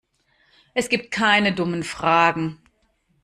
Es gibt keine dummen Fragen.